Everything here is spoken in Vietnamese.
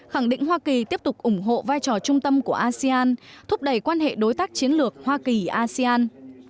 khẳng định hoa kỳ tiếp tục ủng hộ vai trò trung tâm của asean thúc đẩy quan hệ đối tác chiến lược hoa kỳ asean